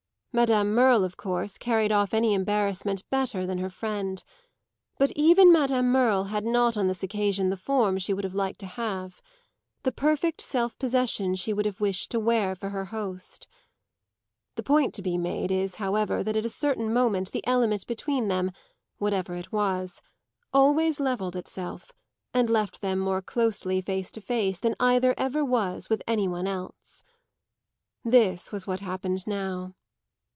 Madame Merle of course carried off any embarrassment better than her friend; but even Madame Merle had not on this occasion the form she would have liked to have the perfect self possession she would have wished to wear for her host. The point to be made is, however, that at a certain moment the element between them, whatever it was, always levelled itself and left them more closely face to face than either ever was with any one else. This was what had happened now.